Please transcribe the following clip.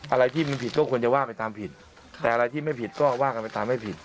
อะไรที่มันผิดก็ควรจะว่าไปตามผิดแต่อะไรที่ไม่ผิดก็ว่ากันไปตามไม่ผิด